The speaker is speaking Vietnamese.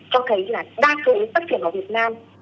cho thấy là đa số bác sĩ ở việt nam